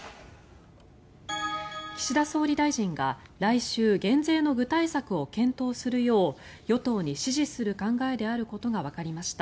岸田総理大臣が来週減税の具体策を検討するよう与党に指示する考えであることがわかりました。